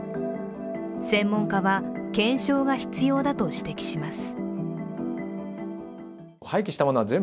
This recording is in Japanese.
専門家は検証が必要だと指摘します。